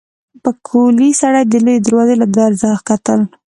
پکولي سړي د لويې دروازې له درزه کتل.